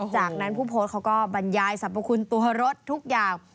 จากนั้นผู้โพสต์เขาก็บรรยายสรรพคุณตัวรถทุกอย่าง